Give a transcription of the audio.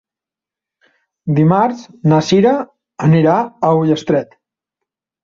Dimarts na Sira anirà a Ullastret.